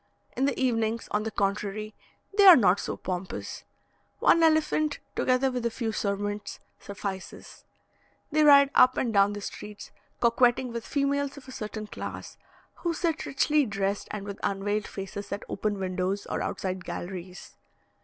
In the evenings, on the contrary, they are not so pompous one elephant, together with a few servants, suffices; they ride up and down the streets, coquetting with females of a certain class, who sit richly dressed and with unveiled faces at open windows or outside galleries.